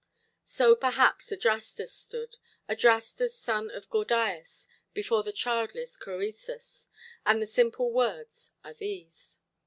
So perhaps Adrastus stood, Adrastus son of Gordias, before the childless Crœsus; and the simple words are these.